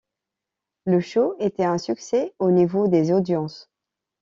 Le show était un succès au niveau des audiences.